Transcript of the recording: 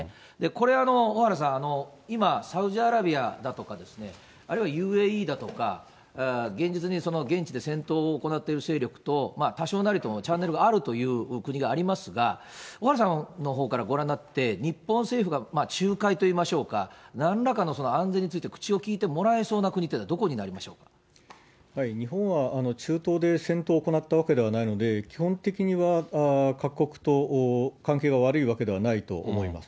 これは小原さん、今、サウジアラビアだとか、あるいはＵＡＥだとか、現実に現地で戦闘を行っている勢力と多少なりともチャンネルがあるという国がありますが、小原さんのほうからご覧になって、日本政府が仲介といいましょうか、なんらかのその安全について口をきいてもらえそうな国というのは日本は中東で戦闘を行ったわけではないので、基本的には各国と関係が悪いわけではないと思います。